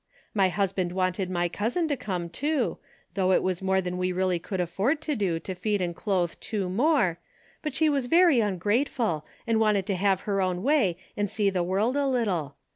My husband wanted my cousin to come, too, though it was more than we really could afford to do to feed and clothe two more, but she was very un grateful, and wanted to have her own way and see the world a little.